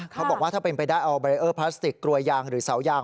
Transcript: เขาบอกว่าถ้าเป็นไปได้เอาเบรเออร์พลาสติกกลัวยางหรือเสายาง